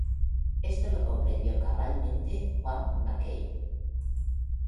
Esto lo comprendió cabalmente Juan Mackay.